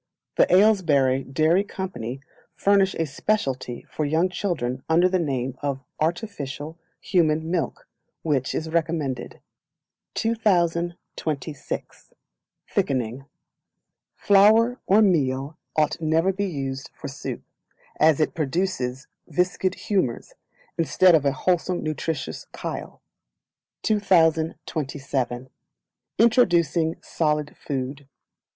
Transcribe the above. The Aylesbury Dairy Company furnish a speciality for young children under the name of "Artificial Human Milk," which is recommended. 2026. Thickening. Flour or Meal ought never to be used for soup, as it produces viscid humours, instead of a wholesome nutritious chyle. 2027 Introducing Solid Food.